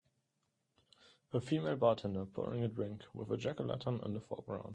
A female bartender pouring a drink, with a jackolantern in the foreground.